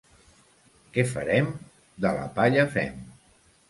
Què farem? —De la palla fem.